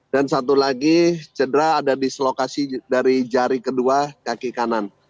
dan satu lagi cedera ada di selokasi dari jari kedua kaki kanan